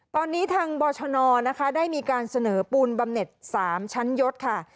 ตอนนี้ทางบชนนะคะได้มีการเสนอปูนบำเน็ต๓ชั้นยศค่ะ